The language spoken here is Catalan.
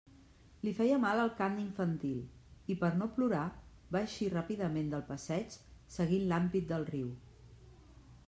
Li feia mal el cant infantil, i per no plorar va eixir ràpidament del passeig, seguint l'ampit del riu.